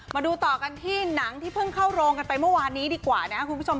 มาดูต่อกันที่หนังที่เพิ่งเข้าโรงกันไปเมื่อวานนี้ดีกว่านะครับคุณผู้ชม